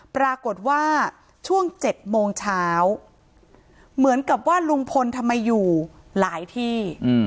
ปรากฏว่าช่วง๗โมงเช้าเหมือนกับว่าลุงพลทำไมอยู่หลายที่